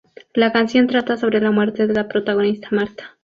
La canción trata sobre la muerte de la protagonista, Marta.